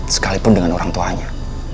sekalipun dengan orang tuanya